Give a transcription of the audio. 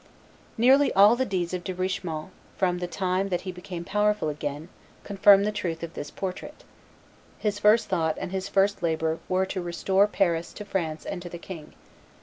Nearly all the deeds of Richemont, from the time that he became powerful again, confirm the truth of this portrait. His first thought and his first labor were to restore Paris to France and to the king.